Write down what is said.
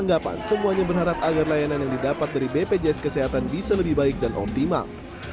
anggapan semuanya berharap agar layanan yang didapat dari bpjs kesehatan bisa lebih baik dan optimal